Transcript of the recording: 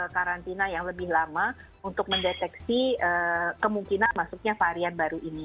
karantina yang lebih lama untuk mendeteksi kemungkinan masuknya varian baru ini